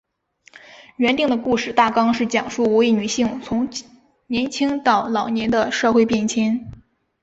原定的故事大纲是讲述五位女性从年青到老年的社会变迁。